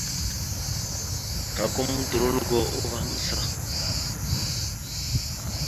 Klakom udoróalgo uvah maɓəsa.